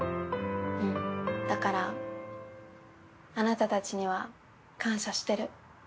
うんだからあなたたちには感謝してる。